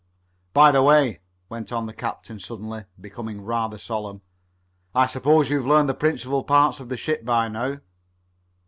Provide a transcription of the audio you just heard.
"By the way," went on the captain suddenly, becoming rather solemn, "I s'pose you've learned the principal parts of the ship by now?"